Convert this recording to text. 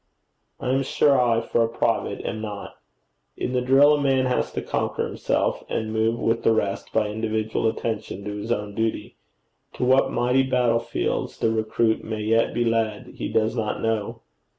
I am sure I, for a private, am not. In the drill a man has to conquer himself, and move with the rest by individual attention to his own duty: to what mighty battlefields the recruit may yet be led, he does not know.